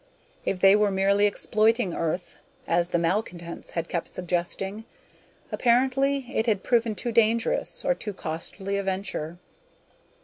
If they were merely exploiting Earth, as the malcontents had kept suggesting, apparently it had proven too dangerous or too costly a venture.